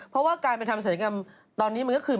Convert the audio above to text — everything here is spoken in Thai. เพราะว่าการไปทำศัลยกรรมตอนนี้มันก็คือ